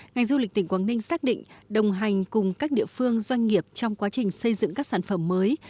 ngành du lịch tỉnh quảng ninh xác định đồng hành cùng các địa phương doanh nghiệp trong quá trình xây dựng các sản phẩm mới